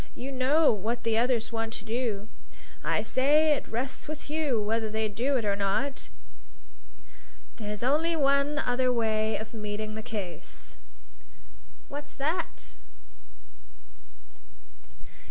You know what the others want to do. I say it rests with you whether they do it or not. There's only one other way of meeting the case." "What's that?"